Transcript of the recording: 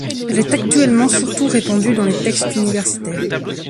Elle est actuellement surtout répandue dans les textes universitaires.